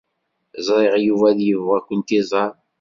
Ẓriɣ Yuba ad yebɣu ad kent-iẓer.